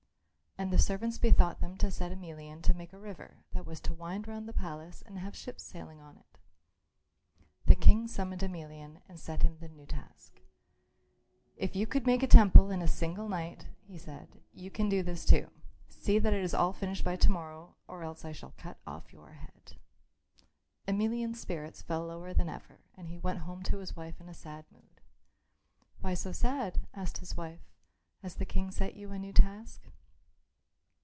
And the servants bethought them to set Emelian to make a river that was to wind round the palace and have ships sailing on it. The King summoned Emelian and set him the new task. "If you could make a temple in a single night," he said, "you can do this too. See that it is all finished by to morrow, or else I shall cut off your head." Emelian's spirits fell lower than ever and he went home to his wife in a sad mood. "Why so sad?" asked his wife. "Has the King set you a new task?"